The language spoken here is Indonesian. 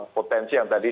potensi yang tadi